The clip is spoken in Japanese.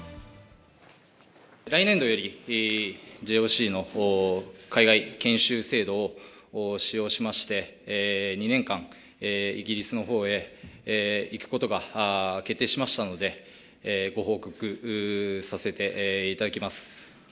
来年度よりＪＯＣの海外研修制度を使用しまして、２年間、イギリスのほうへ行くことが決定しましたので、ご報告させていただきます。